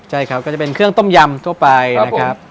ใช่ครับก็จะเป็นเครื่องต้มยำทั่วไปนะครับ